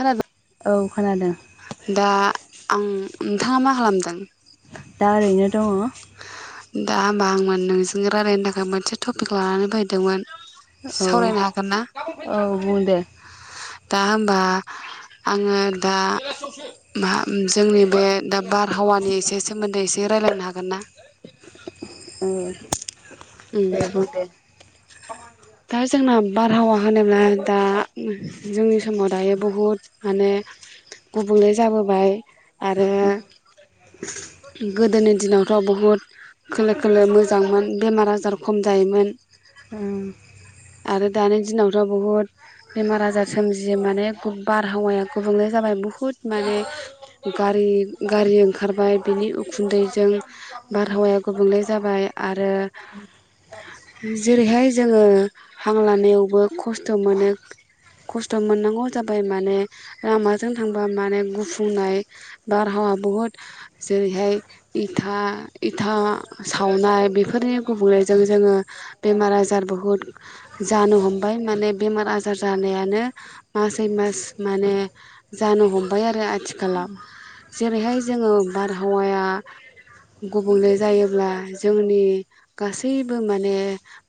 खोनादो औ खोनादों। दा आं नोंथाङा मा खालामदों? दा ओरैनो दङ। दा होमबा आंमोन नोंजों रायलायनो थाखाय मोनसे टपिक लानानै फैदोंमोन। औ सावरायनो हागोन ना औ बुं दे। दा होमबा आङो दा मा जोंनि बे दा बारहावानि एसे सोमोन्दै एसे रायज्लायनो हागोन ना? ओ उम दा जोंना बारहावा होनोब्ला दा जोंनि समाव दायो बहुद माने गुबुंले जाबोबाय आरो उम गोदोनि दिनाव फ्राव बुहुद खोलो खोलो मोजांमोन बेमार आज जार खम जायोमोन। उम आरो दानि दिनावथ बुहुद बेमार आजार सोमजियो माने गु बारहावाया गुबुंले जाबाय बुहुद माने गारि गारि ओंखारबाय बिनि उखुन्दैजों बारहावाया गुबुंले जाबाय आरो जेरैहाय जोङो हां लानायावबो खस्थ मोनो खस्थ मोननांगौ जाबाय माने लामाजों थांबा माने गुफुंनाय बारहावा बुहुद जेरैहाय इथा इथा सावनाय बेफोरनि गुबुंलेजों जोङो बेमार आजार बुहुद जानो हमबाय माने बेमार आजार जानायानो मासै मास माने जानो हमबाय आरो आथिखालाव जेरैहाय जोङो बारहावाया गुबुंले जायोब्ला जोंनि गासैबो माने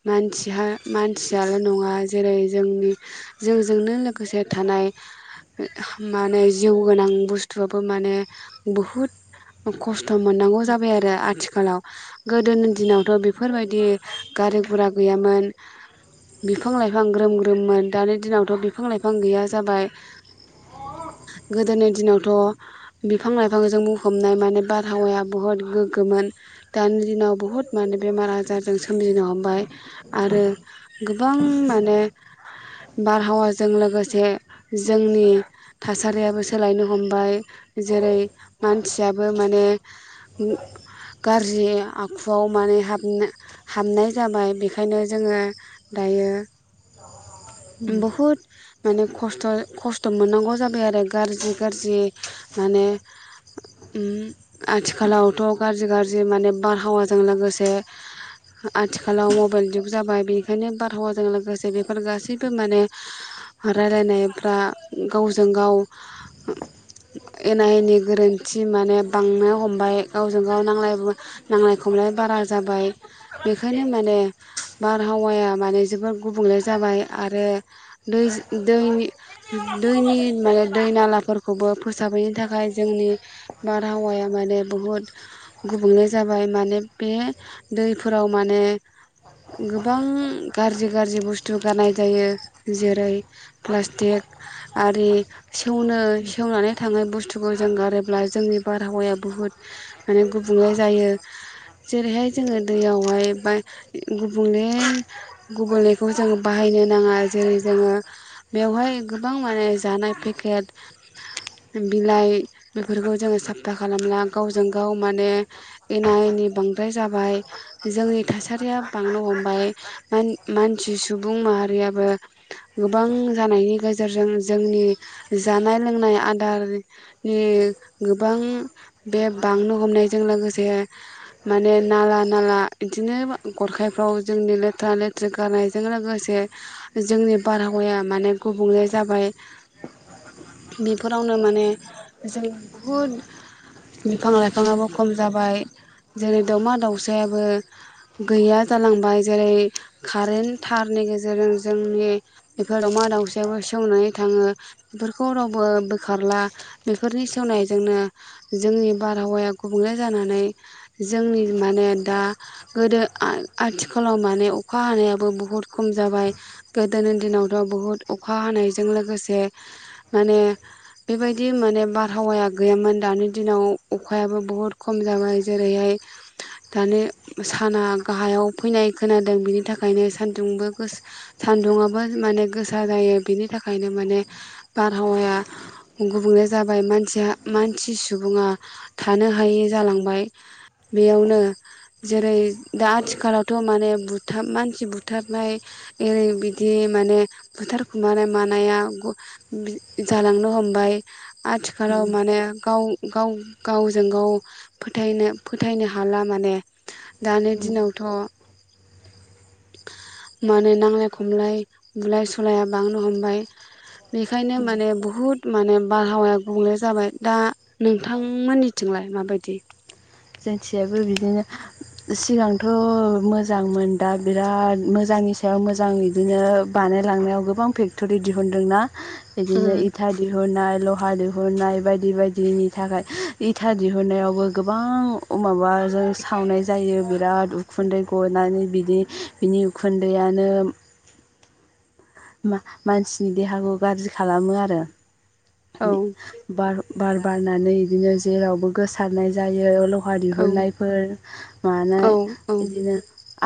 मानसिहा मानसियाल नङा जेरै जोंनि जोंजोंनो लोगोसे थानाय माने जिउ गोनां बुस्थुआबो माने बहुद खस्थ मोननांगौ जाबाय आरो आथिखालाव गोदोनि दिनावथ बेफोरबायदि गारि गुरा गैयामोन। बिफां लाइफां ग्रोम ग्रोम मोन दानि दिनावथ बिफां लाइफां गैया जाबाय गोदोनि दिनावथ बिफां लाइफांजों बुंफबनाय माने बारहावाया बुहुद गोग्गोमोन दानि दिनाव बुहुद माने बेमार आजारजों सोमजिनो हमबाय आरो गोबां माने बारहावाजों लोगोसे जोंनि थासारियाबो सोलायनो हमबाय जेरै मानसियाबो माने गाज्रि आखुआव माने हाबनो हाबनाय जाबाय बेखायनो जोङो दायो उम बुहुद माने खस्थ खस्थ मोननांगौ जाबाय आरो गाज्रि गाज्रि माने ओम आथिखालावथ गाज्रि गाज्रि माने बारहावाजों लोगोसे आथिखालाव मबाइल जुग जाबाय बेखायनो बारहावाजों लोगोसे बेफोर गासै बो माने रायलायनायफ्रा गावजों गाव एना एनि गोरोन्थि माने बांनो हमबाय गावजों गाव नांलाय ब नांलाय खमलाय बारा जाबाय। बेखायनो माने बारहावाया माने जोबोर गुबुंले जाबाय। आरो दैज दैनि दैनि माने दै नालाफोरखौबो फोसाबैनि थाखाय जोंनि बारहावाया माने बहुद गुबुंले जाबाय माने बे दैफोराव माने गोबां गाज्रि बुस्थु गानाय जायो जेरै प्लासटिक आरि सेवनो सेवनानै थांनाय बुसथुखौ जों गारोब्ला जोंनि बारहावाया बहुत माने गुबुंले जायो। जेरैहाय जोङो दैयावहाय बा गु गुबुंले गुबुंलेखौ जों बाहायनो नाङा जेरै जोङो बेवहाय गोबां माने जानाय पेकेट बिलाइ बेफोरखौ जोङो साफा खालामला गावजों गाव माने एना एनि बांद्राय जाबाय जोंनि थासारिया बांनो हमबाय मान मानसि सुबुं माहा आरियाबो गोबां जानायनि गेजेरजों जोंनि जानाय लोंनाय आदारनि गोबां बे बांनो हमनायजों लोगोसे माने नाला नाला बिदिनो गरखायफ्राव जोंनि लेथ्रा लेथ्रा गारनायजों लोगोसे जोंनि बारहावाया माने गुबुंले जाबाय बेफोरावनो माने जों बहुत बिफां लाइफांयाबो खम जाबाय जेरै दावमा दावसायाबो गैया जालांबाय। जेरै कारेन थारनि जेरों जोंनि बेफोर दावमा दाउसयाबो सेवनानै थाङो बेफोरखौ रावबो बोखारला बेफोरनि सेवनायजोंनो जोंनि बारहावाया गुबुंले जानानै जोंनि माने दा गोदो आ आथिखालाव माने अखा हानायाबो बहुत खम जाबाय गोदोनि दिनावथ' बहुद अखा हानायजों लोगोसे माने बेबायदि माने बारहावाया गैयामोन दानि दिनाव अखायाबो बुहुद खम जाबाय जेरैहाय दानि साना गाहायाव फैनाय खोनादों बिनि थाखायनो सानदुंबो सान्दुंङाबो माने गोसा जायो बेनि थाखायनो माने बारहावाया गुबुंले जाबाय मान मानसि सुबुङा थानो हायै जालांबाय बेयावनो जेरै दा आथिखालावथ' माने बुथार मानसि बुथारनाय ओरै बिदि माने बुथार खुमानाय मानाया जालांनो हमबाय। आथिखालाव उम माने गाव गाव गावजों गाव फोथायनो फोथायनो हाला माने। दानि उम दिनावथ' माने नांलाय खमलाय बुलाय सलाया बांनो हमबाय। बेखायनो माने बुहुद माने बारहावाया गुबुंले जाबाय दा नोंथांमोननिथिंलाय माबायदि? जोंनिथिंयाबो बिदिनो सिगांथ' मोजांमोन दा बिराद मोजांनि सायाव मोजां बिदिनो बानायलांनायाव गोबां फेक्ट'रि दिहुनदोंना बिदिनो उम इथा दिहुननाय ल हा दिहुननाय बायदि बायदिनि थाखाय इथा दिहुननायावबो गोबां अ माबा जों सावनाय जायो बि राद उखुन्दै गनानै बिदि बिनि उखुन्दैयानो मा मानसिनि देहाखौ गाज्रि खालामो आरो। औ बे बार बार बारनानै बिदिनो जेरावबो गोसारनाय जायो। ल हा औ दिहुननायफोर औ मानाय औ बिदिनो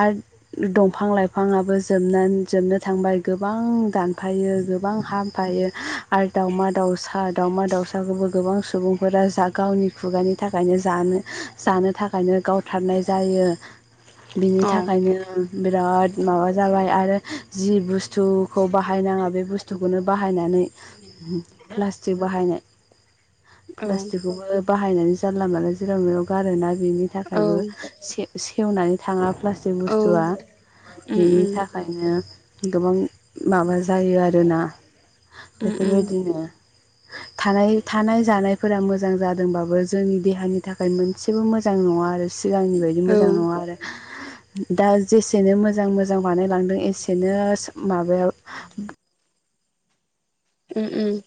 आर दंफां लाइफाङाबो जोबनानै जोबनो थांबाय गोबां दान फायो गोबां हामफायो आरो दावमा दाउसा दावमा दाउसाखौबो गोबां सुबुंफोरा जा गावनि खुगानि थाखायनो जानो जानो थाखायनो गावथारनाय जायो। बिनि औ थाखायनो बिराद माबा जाबाय आरो जि बुस्थु खौ बाहायनाङा बे बुस्थुखौनो बाहायनानै प्लास्टिक बाहायनाय औ प्लास्टिकखौबो बाहायनानै जानला मानला जेराव मेराव गारोना बेनि औ थाखायबो से सेवनानै थाङा प्लास्टिक औ बुस्थुआ उम बेनि उम थाखायनो गोबां माबा जायो आरोना उम उम बेफोरबायदिनो थानाय थानाय जानायफोरा मोजां जादोंबाबो जोंनि देहानि थाखाय मोनसेबो मोजां नङा आरो। सिगांनि बायदि औ मोजां नङा उम आरो दा जेसेनो मोजां मोजां बानायलांदों एसेनो माबायाव उम उम